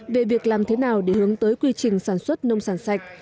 về việc làm thế nào để hướng tới quy trình sản xuất nông sản sạch